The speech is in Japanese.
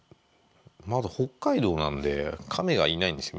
まず北海道なんでカメがいないんですよ